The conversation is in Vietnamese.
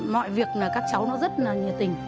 mọi việc các cháu rất là nhiệt tình